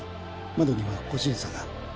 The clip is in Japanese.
「窓」には個人差が。